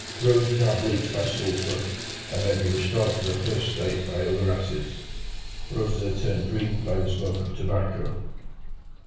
Roses are bleached by sulphur, and may be restored to their first state by other acids; roses are turned green by the smoke of tobacco.